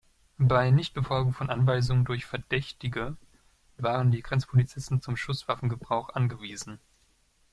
Bei Nichtbefolgung von Anweisungen durch Verdächtige waren die Grenzpolizisten zum Schusswaffengebrauch angewiesen.